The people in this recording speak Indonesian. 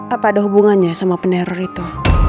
apa ada hubungannya sama penderor itu